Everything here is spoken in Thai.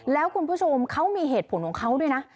แล้วคุณผู้ชมเขามีเหตุผลของเขาด้วยนะ